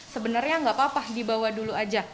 sebenarnya tidak apa apa dibawa dulu saja